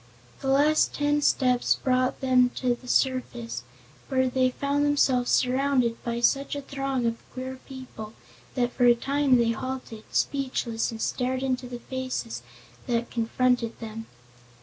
The last ten steps brought them to the surface, where they found themselves surrounded by such a throng of queer people that for a time they halted, speechless, and stared into the faces that confronted them.